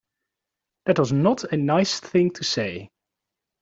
That was not a nice thing to say